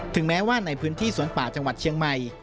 แม้ว่าในพื้นที่สวนป่าจังหวัดเชียงใหม่